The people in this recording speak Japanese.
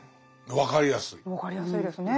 分かりやすいですね。